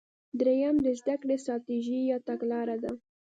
دریم د زده کړې ستراتیژي یا تګلاره ده.